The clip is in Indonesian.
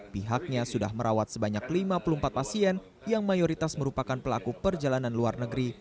pihaknya sudah merawat sebanyak lima puluh empat pasien yang mayoritas merupakan pelaku perjalanan luar negeri